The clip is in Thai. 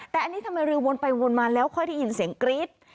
แต่อันนี้ทำไมเรือวนไปวนมาแล้วค่อยได้ยินเสียงกรี๊ด